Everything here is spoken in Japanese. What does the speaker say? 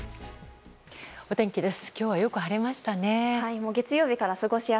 お天気です。